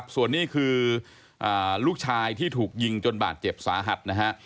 ส่วนนี้คือลูกชายที่ถูกยิงจนบาดเจ็บสาหัสนะฮะ